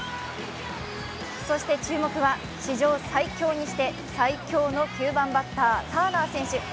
そして注目は史上最強にして最恐の９番バッター・ターナー選手。